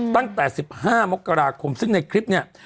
ตั้งแต่๑๕มกราคมซึ่งในคลิปเนี่ย